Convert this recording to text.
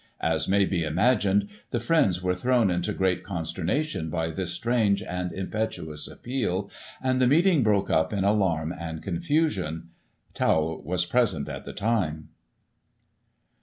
As may be imagined, the Friends were thrown into great consternation by this strange and impetuous appeal, and the meeting broke up in alarm and confusion. Tawell was present ' at the time.'